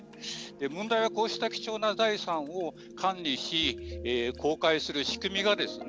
問題はこうした貴重な財産を管理し、公開する仕組みがですね